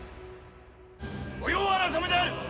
御用改めである！